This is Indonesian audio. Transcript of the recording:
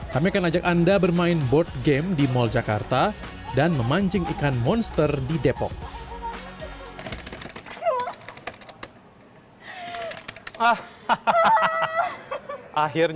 kami akan ajak anda bermain board game di mall jakarta dan memancing ikan monster di depok